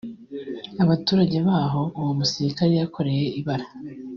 Abaturage b’aho uwo musirikare yakoreye ibara